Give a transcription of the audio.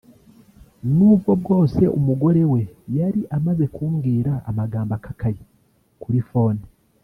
n’ubwo bwose umugore we yari amaze kumbwira amagambo akakaye kuri phone